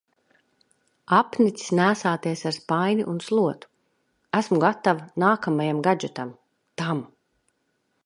Apnicis nēsāties ar spaini un slotu. Esmu gatava nākamajam gadžetam - tam.